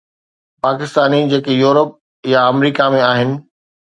پاڪستاني جيڪي يورپ يا آمريڪا ۾ آهن.